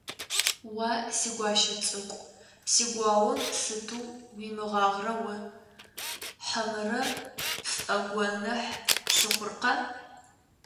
- Уа, си гуащэ цӀыкӀу, си гуауэм сыту уимыгъагърэ уэ, хьэмэрэ пфӀэгуэныхь сыхъуркъэ?